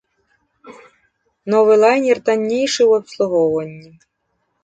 Новы лайнер таннейшы ў абслугоўванні.